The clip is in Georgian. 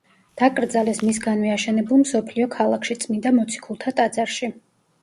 დაკრძალეს მისგანვე აშენებულ „მსოფლიო ქალაქში“, წმინდა მოციქულთა ტაძარში.